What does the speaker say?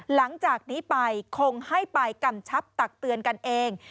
หลังจากนี้ไปคงให้ไปกำชับตักเตือนกันเอง